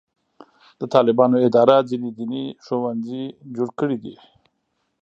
د طالبانو اداره ځینې دیني ښوونځي جوړ کړي دي.